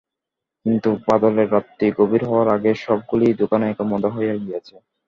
কিন্তু বাদলের রাত্রি গভীর হওয়ার আগে সবগুলি দোকানই এখন বন্ধ হইয়া গিয়াছে।